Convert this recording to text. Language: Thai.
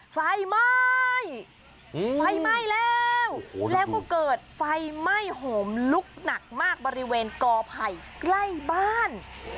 ไฟไหม้ไฟไหม้แล้วแล้วก็เกิดไฟไหม้โหมลุกหนักมากบริเวณกอไผ่ใกล้บ้าน